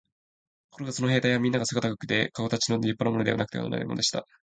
ところがその兵隊はみんな背が高くて、かおかたちの立派なものでなくてはならないのでした。